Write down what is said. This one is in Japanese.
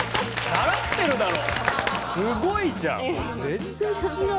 習ってるだろ。